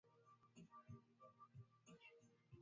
Mwinyi anatokea katika moja ya familia maarufu